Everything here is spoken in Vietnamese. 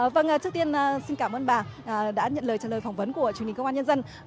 vâng trước tiên xin cảm ơn bà đã nhận lời trả lời phỏng vấn của truyền hình công an nhân dân